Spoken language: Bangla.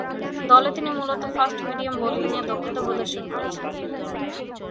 দলে তিনি মূলতঃ ফাস্ট মিডিয়াম বোলিংয়ে দক্ষতা প্রদর্শন করেছেন।